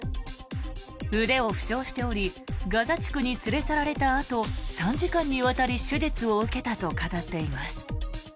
腕を負傷しておりガザ地区に連れ去られたあと３時間にわたり手術を受けたと語っています。